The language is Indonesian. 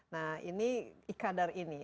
nah ini ikadar ini